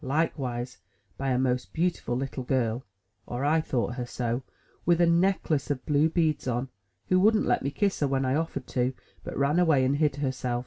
Likewise by a most beautiful little girl (or I thought her so) with a necklace of blue beads on, who wouldn't let me kiss her when I offered to, but ran away and hid herself.